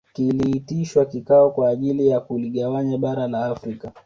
Kiliitishwa kikao kwa ajili ya kuligawanya bara la Afrika